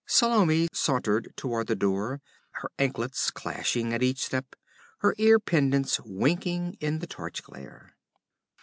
Salome sauntered toward the door, her anklets clashing at each step, her ear pendants winking in the torch glare.